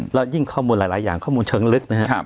แล้วยิ่งข้อมูลหลายอย่างข้อมูลเชิงลึกนะครับ